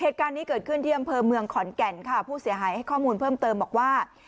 เสียหายให้ข้อมูลเพิ่มเติมบอกว่า